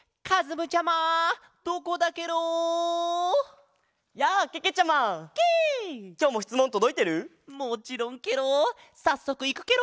もちろんケロさっそくいくケロよ！